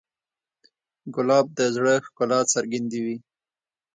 ګلاب د زړه ښکلا څرګندوي.